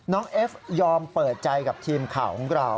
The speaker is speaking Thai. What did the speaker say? เอฟยอมเปิดใจกับทีมข่าวของเรา